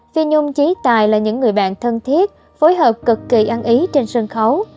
phi nhung chí tài là những người bạn thân thiết phối hợp cực kỳ ăn ý trên sân khấu